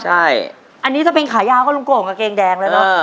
ใช่อันนี้ถ้าเป็นขายาวก็ลุงโก่งกางเกงแดงแล้วเนอะ